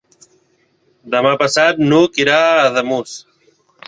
Demà passat n'Hug irà a Ademús.